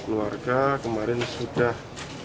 keluarga kemarin sudah